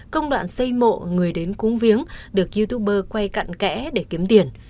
công đoạn xây mộ người đến cúng viếng được youtuber quay cặn kẽ để kiếm tiền